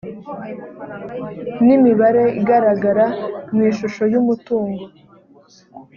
n imibare igaragara mu ishusho y umutungo